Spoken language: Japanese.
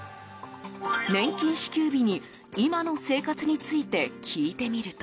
年金支給日に、今の生活について聞いてみると。